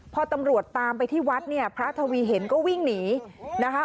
พอตำรวจตามไปที่วัดเนี่ยพระทวีเห็นก็วิ่งหนีนะคะ